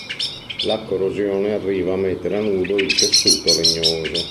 La corrosione arriva a mettere a nudo il tessuto legnoso.